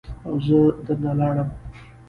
او زه در نه لاړم.